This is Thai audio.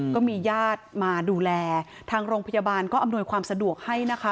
ก็มีญาติมาดูแลทางโรงพยาบาลก็อำนวยความสะดวกให้นะคะ